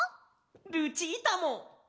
ルチータも！